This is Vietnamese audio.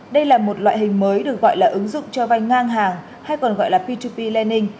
đây là một loại hình mới được gọi là ứng dụng cho vay ngang hàng hay còn gọi là p hai p lending